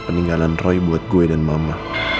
peninggalan roy buat gue dan mama